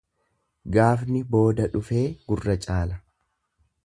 Gaafni booda dhufee gurra caala.